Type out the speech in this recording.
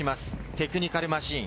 テクニカルマシーン。